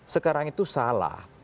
sekarang itu salah